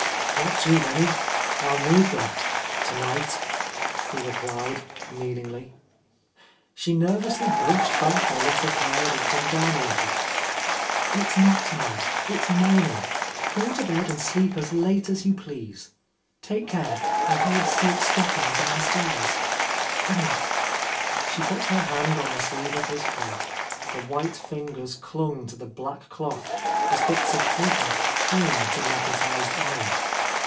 "Not too many. I'll need them ... to night," he replied meaningly. She nervously brushed back a lock of hair that — A Lost Lady had come down a little. "It's not to night. It's morning. Go to bed and sleep as late as you please. Take care, I heard silk stockings on the stairs. Good night." She put her hand on the sleeve of his coat; the white fingers clung to the black cloth as bits of paper cling to magnetized iron.